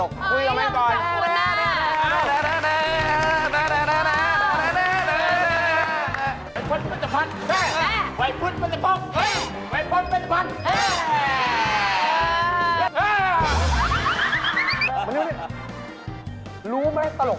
ก็จะมาให้พวกเรามาเล่นตลก